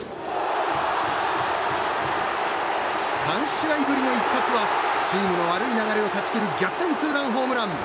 ３試合ぶりの一発はチームの悪い流れを断ち切る逆転ツーランホームラン。